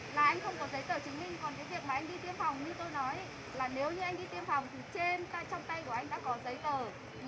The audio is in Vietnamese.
nghĩa là em muốn cầm được cái giấy đấy